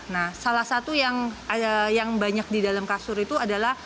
nah salah satu yang banyak di dalam kasur itu adalah